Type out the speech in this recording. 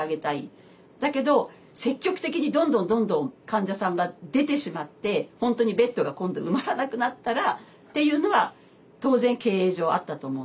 だけど積極的にどんどんどんどん患者さんが出てしまって本当にベッドが今度埋まらなくなったらっていうのは当然経営上あったと思うんですよね。